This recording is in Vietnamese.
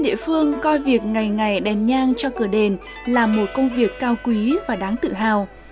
địa phương coi việc ngày ngày đèn nhang cho cửa đền là một công việc cao quý và đáng tự hào